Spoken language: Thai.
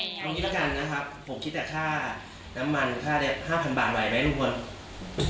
คุณคิดกันนะครับผมคิดแต่ถ้าน้ำมัน๕๐๐๐บาทไหวไหมลูกคุณ